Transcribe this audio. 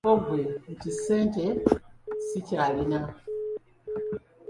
Ko ggwe nti Ssente sikyalina.